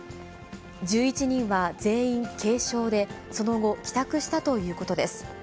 １１人は全員軽症で、その後、帰宅したということです。